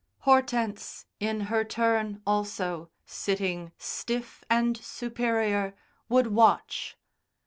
Hortense, in her turn also, sitting, stiff and superior, would watch.